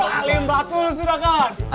kalimbatu lo sudah kan